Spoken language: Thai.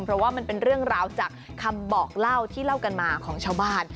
เพราะว่ามันเป็นเรื่องราวจากคำบอกเล่าที่เล่ากันมาของชาวบ้าน